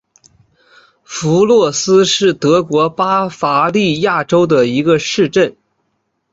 弗洛斯是德国巴伐利亚州的一个市镇。